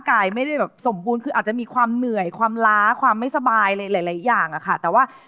กายไม่ได้แบบสมบูรณ์คืออาจจะมีความเหนื่อยความล้าความไม่สบายหลายหลายอย่างอะค่ะแต่ว่า